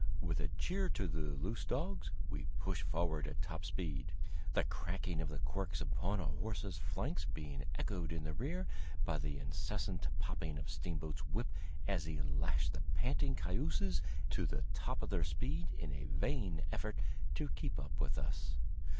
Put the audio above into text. With a cheer to the loose dogs, we pushed forward at top speed, the cracking of the quirts upon our horses' flanks being echoed in the rear by the incessant popping of Steamboat's whip as he lashed the panting cayuses to the top of their speed in a vain effort to keep up with us.